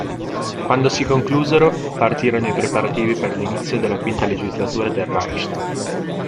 Quando si conclusero, partirono i preparativi per l'inizio della quinta legislatura del Reichstag.